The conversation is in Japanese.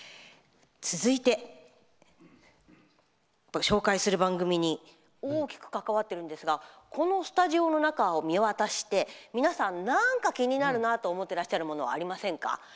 続いて、ご紹介する番組に大きく関わってるんですがこのスタジオの中を見渡して皆さん、なんか気になると思ってらっしゃるものありませんか？